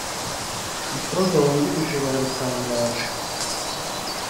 umutoza wungirije yabitangaje